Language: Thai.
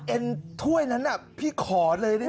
เอ็นถ้วยนั้นน่ะพี่ขอเลยได้ไหม